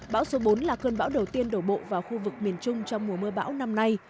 bão số bốn là cơn bão đầu tiên đổ bộ vào khu vực miền trung trong mùa mưa bão năm nay